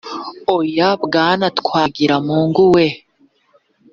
Oya, Bwana Twagiramungu we